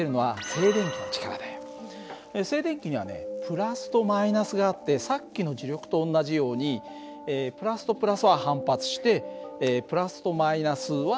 静電気にはねプラスとマイナスがあってさっきの磁力と同じようにプラスとプラスは反発してプラスとマイナスは引き合う。